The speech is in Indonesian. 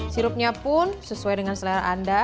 sirupnya pun sesuai dengan selera anda